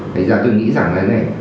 thì giờ tôi nghĩ rằng là này